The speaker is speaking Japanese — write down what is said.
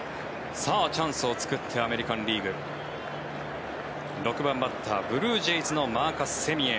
チャンスを作ってアメリカン・リーグ６番バッター、ブルージェイズのマーカス・セミエン。